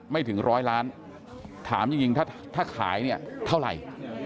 ไม่ถึงร้อยล้านถามจริงถ้าขายเนี่ยเท่าไหร่